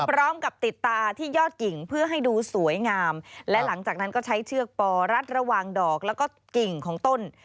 พร้อมกับติดตาที่ยอดกิ่งเพื่อให้ดูสวยงามและหลังจากนั้นก็ใช้เชือกปอรัดระหว่างดอกแล้วก็กิ่งของต้น